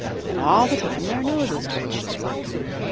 And all the time their noses twitched.